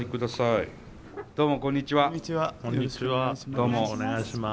どうもお願いします。